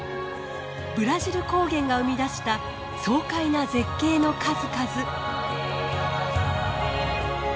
ブラジル高原が生み出した爽快な絶景の数々。